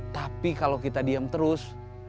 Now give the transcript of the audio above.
tapi kalau kita diam terus